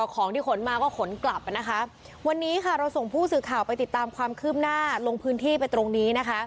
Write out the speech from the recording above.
ของที่ขนมาก็ขนกลับนะคะวันนี้ค่ะเราส่งผู้สื่อข่าวไปติดตามความคืบหน้าลงพื้นที่ไปตรงนี้นะคะ